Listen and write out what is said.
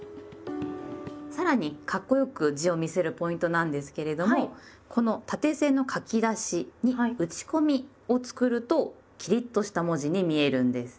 さらにかっこよく字を見せるポイントなんですけれどもこの縦線の書き出しに「打ち込み」を作るとキリッとした文字に見えるんです。